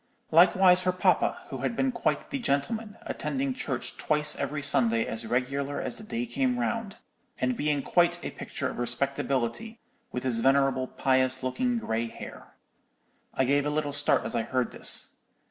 Likewise her papa, which had been quite the gentleman, attending church twice every Sunday as regular as the day came round, and being quite a picture of respectability, with his venerable pious looking grey hair.' "I gave a little start as I heard this.